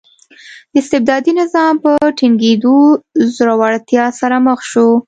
د استبدادي نظام په ټینګېدو ځوړتیا سره مخ شو.